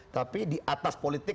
tapi di atas politik